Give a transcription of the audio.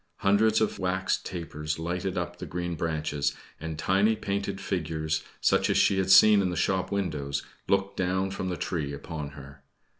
Hundreds of wax tapers lighted up the green branches, and tiny painted figures, such as she had seen in the shop windows, looked down from the tree upon her.